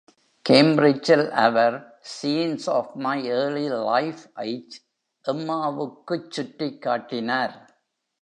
கேம்பிரிட்ஜில் அவர் " scenes of my early life" ஐச் எம்மாவுக்குச் சுற்றிக் காட்டினார்.